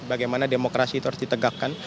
bagaimana demokrasi itu harus ditegakkan